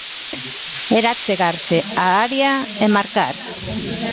Era achegarse á area, e marcar.